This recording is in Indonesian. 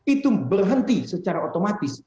itu berhenti secara otomatis